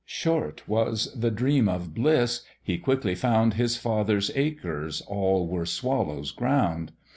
Short was the dream of bliss; he quickly found His father's acres all were Swallow's ground.